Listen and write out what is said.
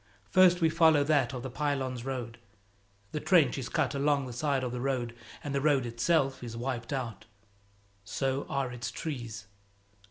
First we follow that of the Pylones road. The trench is cut along the side of the road, and the road itself is wiped out; so are its trees.